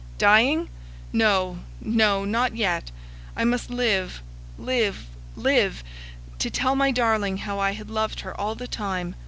Dying? No no not yet! I must live live live to tell my darling how I had loved her all the time.